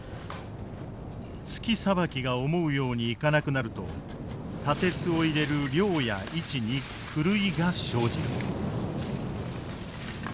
鋤さばきが思うようにいかなくなると砂鉄を入れる量や位置に狂いが生じる。